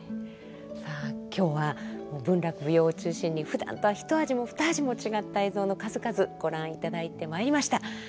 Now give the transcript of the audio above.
さあ今日は文楽舞踊を中心にふだんとはひと味もふた味も違った映像の数々ご覧いただいてまいりました。